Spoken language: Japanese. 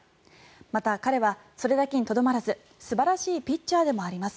また、彼はそれだけにとどまらず素晴らしいピッチャーでもあります。